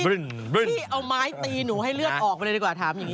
เอ้อพี่เอาไม้ตีหนูให้เลือกออกไปได้กว่าถามอย่างงี้